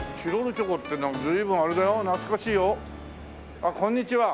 あっこんにちは。